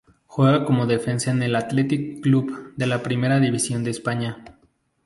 Juega como defensa en el Athletic Club de la Primera División de España.